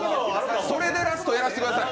それでラスト、やらせてください。